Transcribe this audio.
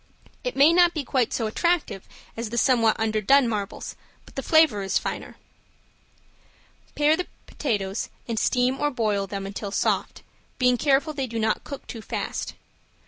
It may not be quite so attractive as the somewhat underdone marbles, but the flavor is finer. Pare the potatoes and steam or boil them until soft, being careful they do not cook too fast.